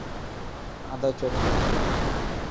ও এখানে নেই।